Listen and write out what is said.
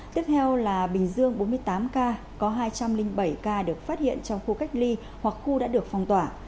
tiếp theo là bình dương bốn mươi tám ca có hai trăm linh bảy ca được phát hiện trong khu cách ly hoặc khu đã được phong tỏa